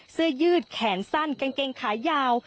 เสื้อยืดแขนสั้นกางเกงขายาว